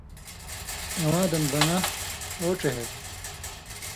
(اِواں دن) بنہ (او ڇِہېلوۡ):